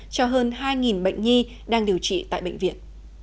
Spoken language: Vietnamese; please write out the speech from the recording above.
cho hơn hai bệnh nhi đang điều trị tại bệnh viện